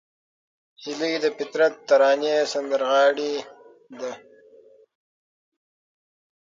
هیلۍ د فطرت ترانې سندرغاړې ده